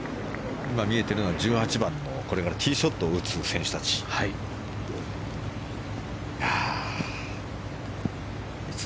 今、見えているのは１８番のこれからティーショットを打つ選手たちです。